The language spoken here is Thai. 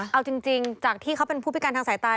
เอาจริงจากที่เขาเป็นผู้พิการทางสายตา